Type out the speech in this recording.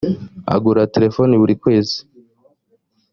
agura telefoni burikwezi.